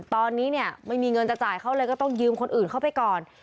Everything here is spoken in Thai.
ตอนนี้เนี่ยไม่มีเงินจะจ่ายเขาเลยก็ต้องยืมคนอื่นเข้าไปก่อน